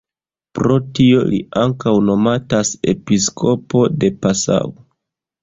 Pro tio li ankaŭ nomatas "Episkopo de Passau".